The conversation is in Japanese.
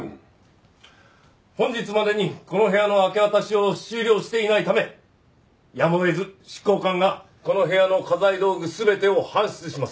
本日までにこの部屋の明け渡しを終了していないためやむを得ず執行官がこの部屋の家財道具全てを搬出します。